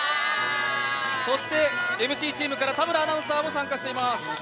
そして、ＭＣチームから、田村アナウンサーも出場しています。